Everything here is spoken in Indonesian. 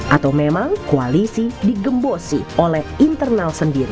atau memang koalisi digembosi oleh internal sendiri